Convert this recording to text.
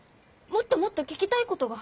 もっともっと聞きたいことが。